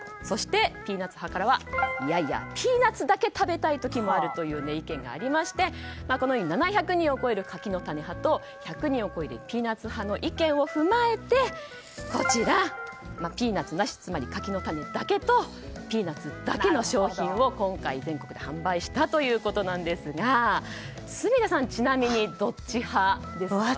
そして、ピーナツ派からはいやいやピーナツだけ食べたい時もあるという意見がありましてこのように７００人を超える柿の種派と１００人を超えるピーナツ派の意見を踏まえて、ピーナツなしつまり柿の種だけとピーナツだけの商品を今回、全国で販売したということですが住田さん、ちなみにどっち派ですか？